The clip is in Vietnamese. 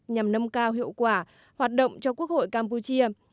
nhằm nâng cao hiệu quả hoạt động cho quốc hội campuchia